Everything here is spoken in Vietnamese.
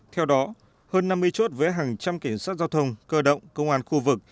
theo đó hơn năm mươi chốt với hàng trăm cảnh sát giao thông cơ động công an khu vực